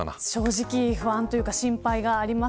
正直不安というか心配が出ます。